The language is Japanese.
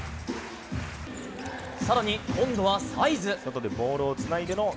更に今度はサイズ。